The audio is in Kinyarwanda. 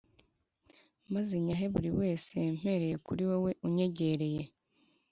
maze nyahe buri wese mpereye kuri wowe unyegereye.